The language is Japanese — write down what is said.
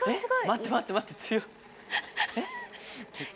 待って待って待って強い。